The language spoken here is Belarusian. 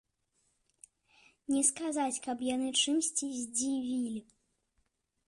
Не сказаць, каб яны чымсьці здзівілі.